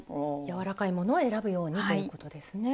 柔らかいものを選ぶようにということですね。